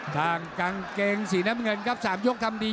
กางเกงสีน้ำเงินครับ๓ยกทำดี